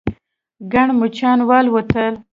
ګڼ مچان والوتل.